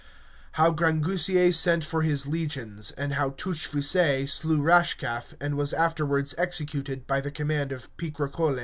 How Grangousier sent for his legions, and how Touchfaucet slew Rashcalf, and was afterwards executed by the command of Picrochole.